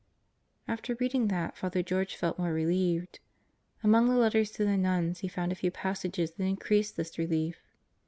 After reading that, Father George felt more relieved. Among the letters to the nuns, he found a few passages that increased this relief.